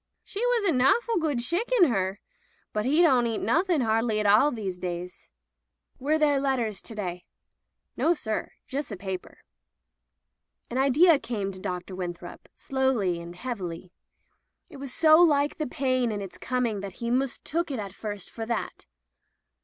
"She was a nawful good shicken, her. But 'e don't eat nothing hardly at all these days." "Were there letters to day?'* "Nossir; jus' a paper." An idea came to Dr. Winthrop slowly and heavily. It was so like the pain in its coming that he mistook it at first for that.